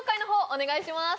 お願いしまーす！